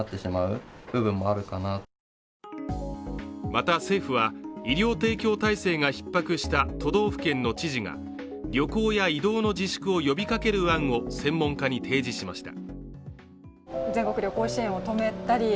また、政府は医療提供体制がひっ迫した都道府県の知事が旅行や移動の自粛を呼びかける案を専門家に提示しました。